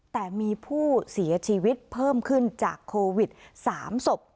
แต่มีผู้เสียชีวิตเพิ่มขึ้นจากโควิด๓ศพ